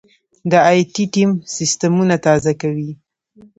دا ائ ټي ټیم سیستمونه تازه کوي.